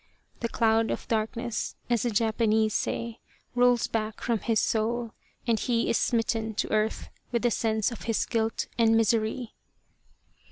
The cloud of darkness, as the Japanese say, rolls back from his soul, and he is smitten to earth with the sense of his guilt and misery.